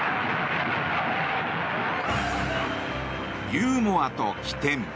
ユーモアと機転！